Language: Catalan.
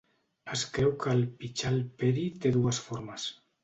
Es creu que el Pichal Peri té dues formes.